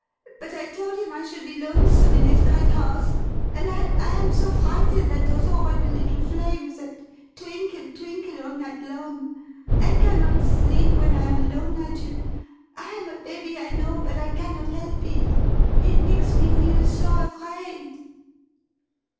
But I told him I should be lonesome in this great house, and I I am so frightened at those horrible little flames that twinkle twinkle all night long. I cannot sleep when I am alone, Nigel. I am a baby I know, but I cannot help it. It makes me feel so afraid!"